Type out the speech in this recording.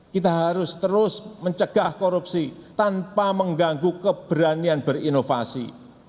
kita harus terus mencegah korupsi tanpa mengganggu keberanian berinovasi